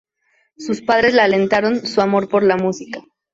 Sus padres la alentaron su amor por la música.